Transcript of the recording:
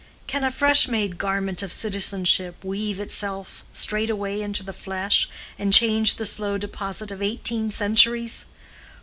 Can a fresh made garment of citizenship weave itself straightway into the flesh and change the slow deposit of eighteen centuries?